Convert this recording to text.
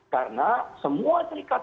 karena semua serikat